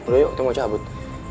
lo yuk tuh mau cabut